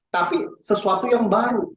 tapi sesuatu yang baru